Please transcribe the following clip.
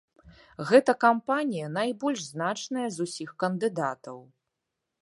Гэта кампанія найбольш значная з усіх кандыдатаў.